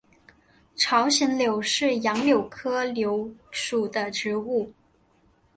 朝鲜柳是杨柳科柳属的植物。